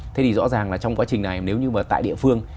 thế thì rõ ràng là trong quá trình này nếu như mà tại địa phương